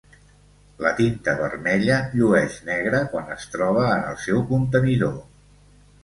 La tinta vermella llueix negra quan es troba en el seu contenidor.